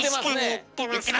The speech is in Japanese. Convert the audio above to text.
言うてますねえ。